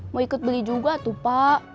mau ikut beli juga tuh pak